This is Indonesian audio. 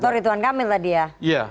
atau ridwan kamil lah dia